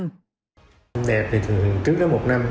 năm đẹp thì thường trước đến một năm